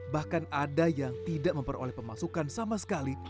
bahkan ada yang tidak memperoleh pemasukan sama sekali